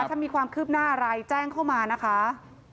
ถ้ามีความคืบหน้าอะไรแจ้งเข้ามานะคะ